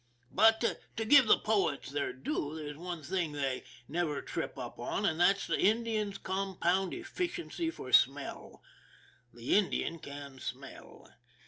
But, to give the poets their due, there's one thing they never trip up on, and that's the Indian's com pound efficiency for smell. The Indian can smell.